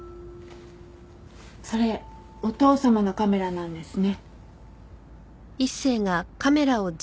それお父様のカメラなんですね。